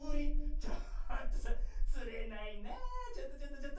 ちょっとそれつれないなちょっとちょっとちょっと。